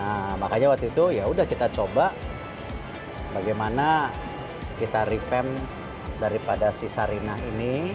nah makanya waktu itu yaudah kita coba bagaimana kita refame daripada si sarinah ini